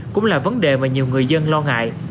cũng là vấn đề mà nhiều người dân lo ngại